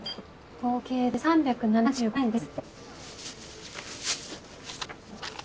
合計で３７５円です。